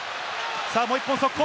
もう１本速攻。